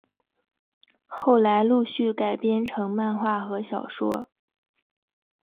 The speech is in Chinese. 后来陆续改编成漫画和小说。